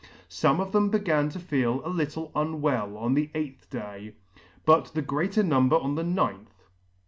Some of them began to feel a little unwell on the eighth day, but the greater number on the ninth.